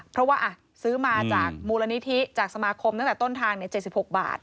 เพราะว่าซื้อมาจากมูลนิธิจากสมาคมตั้งแต่ต้นทาง๗๖บาท